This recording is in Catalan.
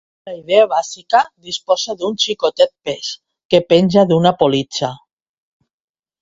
La idea bàsica disposa d'un xicotet pes què penja d'una politja.